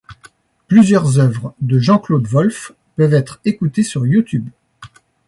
Plusieurs œuvres de Jean-Claude Wolff peuvent être écoutées sur Youtube.